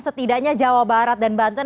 setidaknya jawa barat dan banten